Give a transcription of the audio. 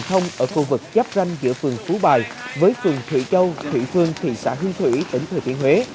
hệ thống ở khu vực chấp ranh giữa phường phú bài với phường thủy châu thủy phương thị xã hương thủy tỉnh thời tiên huế